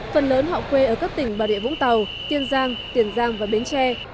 phần lớn họ quê ở các tỉnh bà rịa vũng tàu tiên giang tiền giang và bến tre